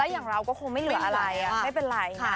แล้วอย่างเราก็คงไม่เหลืออะไร